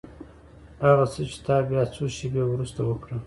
هغه څه چې تا بيا څو شېبې وروسته وکړل.